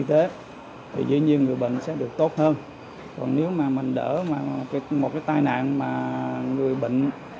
tết thì dĩ nhiên người bệnh sẽ được tốt hơn còn nếu mà mình đỡ mà một cái tai nạn mà người bệnh